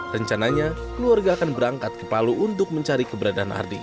rencananya keluarga akan berangkat ke palu untuk mencari keberadaan ardi